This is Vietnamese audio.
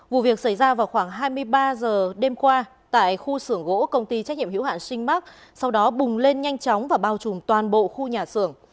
vụ việc xảy ra vào khoảng hai mươi ba giờ đêm qua tại khu xưởng gỗ công ty trách nhiệm hiệu hoạn sinh mắc sau đó bùng lên nhanh chóng và bao trùm toàn bộ khu nhà xưởng